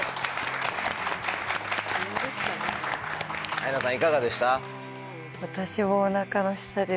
アイナさんいかがでした？